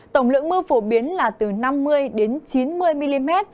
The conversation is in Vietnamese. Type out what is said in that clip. tổng lượng mưa phổ biến là từ năm mươi đến chín mươi mm